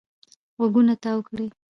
غوږونه تاو کړي.